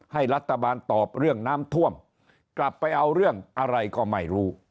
ให้รัฐบาลตอบเรื่องน้ำท่วมกลับไปเอาเรื่องอะไรก็ไม่รู้